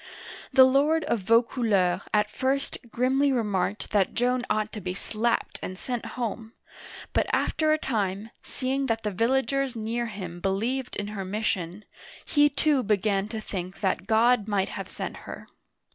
The lord of Vaucouleurs at first grimly remarked that Joan ought to be slapped and sent home, but after a time, seeing that the villagers near him believed in her mission, he too began to think that God might have sent her.